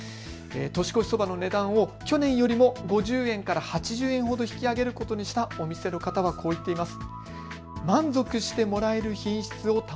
年越しそばの値段を去年よりも５０円から８０円ほど引き上げることにしたお店の方はこう言っています。